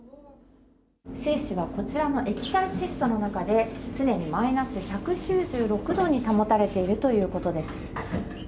精子はこちらの液体窒素の中で常にマイナス１９６度に保たれているということです。